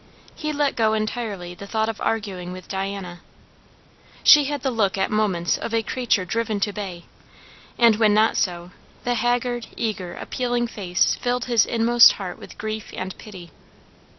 He let go entirely the thought of arguing with Diana. She had the look at moments of a creature driven to bay; and when not so, the haggard, eager, appealing face filled his inmost heart with grief and pity.